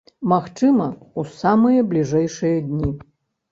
Магчыма, у самыя бліжэйшыя дні.